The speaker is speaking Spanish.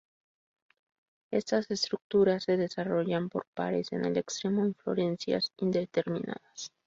Estas estructuras se desarrollan por pares en el extremo de inflorescencias indeterminadas.